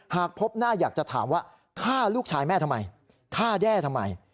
หากพบหน้าอยากจะถามว่าฆ่าลูกชายแม่ทำไมฆ่าแด้ทำไม